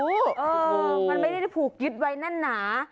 โธ่มันไม่ได้ผูกยึดไว้นั้นหนา